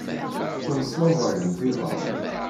Ur slaẓayent iḍan.